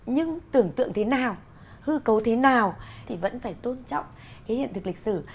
nhưng tưởng tượng thế nào hư cấu thế nào thì vẫn phải tôn trọng cái hiện thực lịch sử